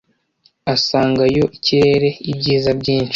asangayo ikirere ibyiza byinshi